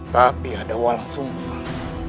tapi ada walah sungsang